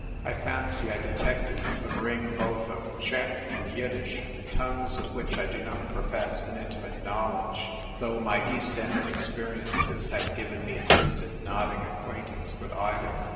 I fancy I detected the ring both of Czech and Yiddish — tongues of which I do not profess an intimate knowledge, though m}* East End experiences had given me a distant nodding acquaintance with either.